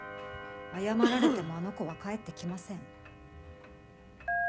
謝られてもあの子は帰ってきません。